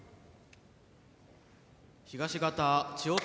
東方千代虎。